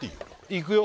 いくよ？